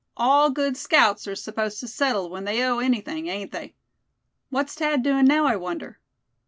All good scouts are supposed to settle when they owe anything, ain't they? What's Thad doing now, I wonder?"